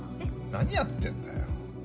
何やってんだよ。